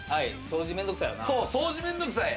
掃除面倒くさい。